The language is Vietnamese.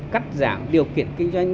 cắt giảm điều kiện kinh doanh